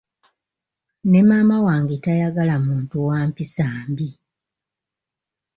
Ne maama wange tayagala muntu wa mpisa mbi.